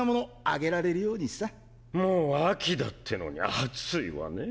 もう秋だってのに熱いわねぇ。